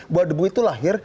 bahwa debu itu lahir